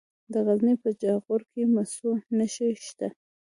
د غزني په جاغوري کې د مسو نښې شته.